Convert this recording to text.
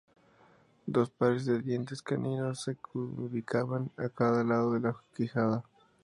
Dos pares de dientes caninos se ubicaban a cada lado en la quijada.